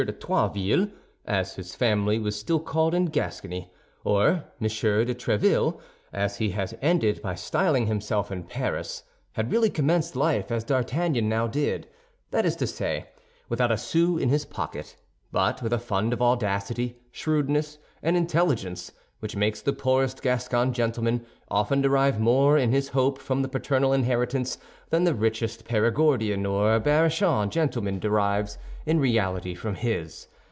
de Troisville, as his family was still called in Gascony, or M. de Tréville, as he has ended by styling himself in Paris, had really commenced life as D'Artagnan now did; that is to say, without a sou in his pocket, but with a fund of audacity, shrewdness, and intelligence which makes the poorest Gascon gentleman often derive more in his hope from the paternal inheritance than the richest Perigordian or Berrichan gentleman derives in reality from his.